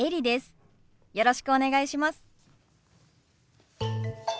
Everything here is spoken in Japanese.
よろしくお願いします。